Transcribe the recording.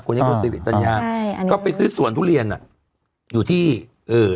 คุณยังไม่รู้สึกหรือจรรยาอ่าใช่อันนี้ก็ไปซื้อสวนทุเรียนอ่ะอยู่ที่เออ